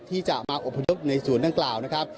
ที่จะมาอบพยพในศูนย์ดังกล่าวนะครับ